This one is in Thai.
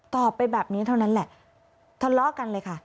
ตอบไปแบบนี้เท่านั้นแหละทะเลาะกันเลยค่ะ